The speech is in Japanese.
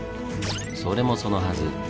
それもそのはず